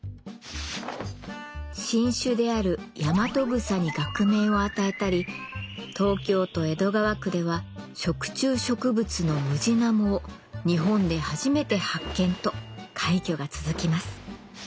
新種であるヤマトグサに学名を与えたり東京都江戸川区では食虫植物のムジナモを日本で初めて発見と快挙が続きます。